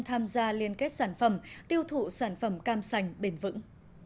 tham gia liên kết sản phẩm tiêu thụ sản phẩm cam sành bền vững